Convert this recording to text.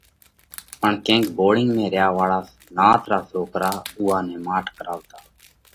پڻ ڪينڪ ڀورڍنڳ ۾ ريا واۯا نات را سوڪرا اُوئا نئہ ماٺ ڪراوَتا۔